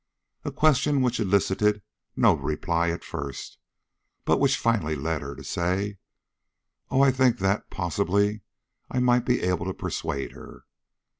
A question which elicited no reply at first, but which finally led her to say: 'Oh! I think that, possibly, I might be able to persuade her.'